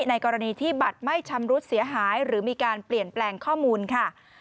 ในกรณีที่บัตรไม่ชำรุดเสียหายหรือมีการเปลี่ยนแปลงข้อมูลค่ะ